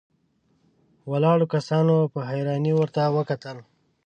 ولاړو کسانو په حيرانۍ ورته وکتل.